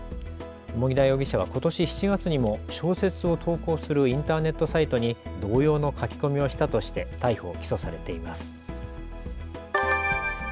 蓬田容疑者はことし７月にも小説を投稿するインターネットサイトに同様の書き込みをしたとして逮捕・起訴されています。